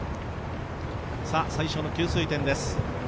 最初の給水点です。